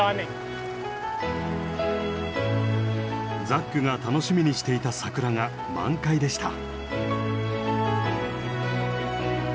ザックが楽しみにしていた桜が満開でした。